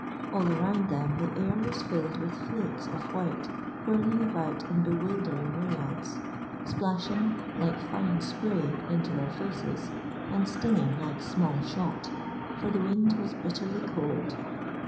All around them the air was filled with flakes of white whirling about in bewildering myriads, splashing like fine spray into their faces and stinging like small shot, for the wind was bitterly cold.